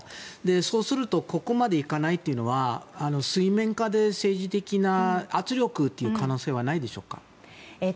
そうするとここまでいかないというのは水面下で政治的な圧力という可能性はないでしょうか？